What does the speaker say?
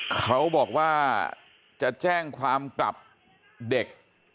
เขาบอกว่าจะแจ้งความกลับเด็ก